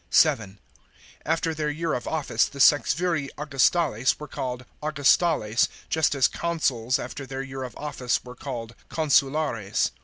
(7) After their year of office the sexviri Augustales, were called Augustales, just as consuls after their year of office were called consulares.